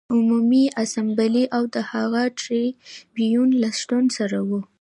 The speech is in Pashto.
د عمومي اسامبلې او د هغې د ټربیون له شتون سره و